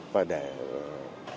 và để tạo lên một cái nguy hiểm